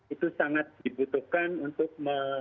itu sangat dibutuhkan untuk